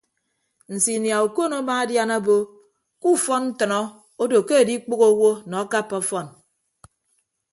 Nsinia okon amaadian obo ke ufọn ntʌnọ odo ke adikpʌghọ owo nọ akappa ọfọn.